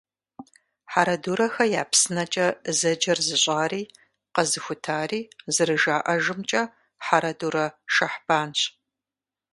«Хьэрэдурэхэ я псынэкӀэ» зэджэр зыщӀари, къэзыхутари, зэрыжаӀэжымкӀэ, Хьэрэдурэ Шэхьбанщ.